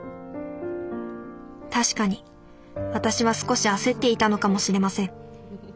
確かに私は少し焦っていたのかもしれません。